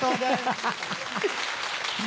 ハハハ！